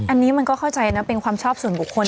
อันนี้มันก็เข้าใจนะเป็นความชอบส่วนบุคคล